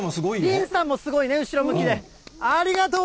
りんさんもすごいね、後ろ向きで。